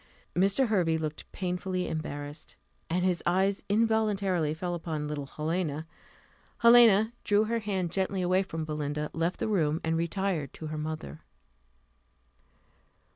Mr. Hervey looked painfully embarrassed, and his eyes involuntarily fell upon little Helena. Helena drew her hand gently away from Belinda, left the room, and retired to her mother.